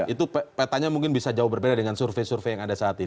itu petanya mungkin bisa jauh berbeda dengan survei survei yang ada saat ini